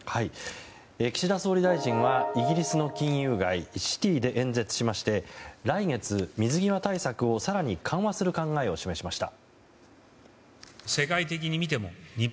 岸田総理大臣はイギリスの金融街シティで演説しまして来月、水際対策を更に緩和する考えを示しました。